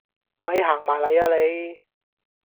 咪行埋嚟呀你